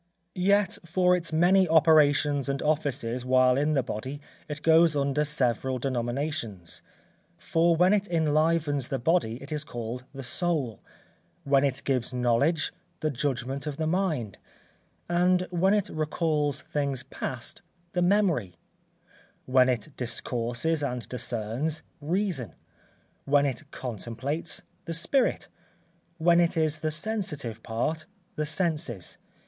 Yet for its many operations and offices while in the body it goes under several denominations: for when it enlivens the body it is called the soul; when it gives knowledge, the judgment of the mind; and when it recalls things past, the memory; when it discourses and discerns, reason; when it contemplates, the spirit; when it is the sensitive part, the senses.